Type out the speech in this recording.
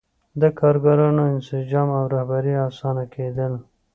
د کارګرانو انسجام او رهبري اسانه کېدل.